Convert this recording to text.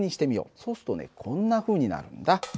そうするとねこんなふうになるんだ。